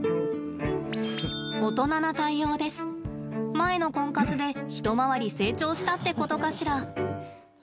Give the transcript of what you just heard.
前のコンカツで一回り成長したってことかしら。